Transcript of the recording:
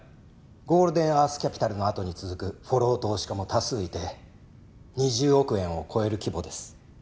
ゴールデンアースキャピタルのあとに続くフォロー投資家も多数いて２０億円を超える規模です。